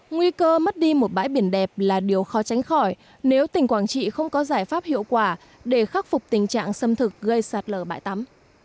nguy cơ mất đi một bãi biển đẹp là điều khó tránh khỏi nếu tỉnh quảng trị không có giải pháp hiệu quả để khắc phục tình trạng xâm thực gây sạt lở bãi tắm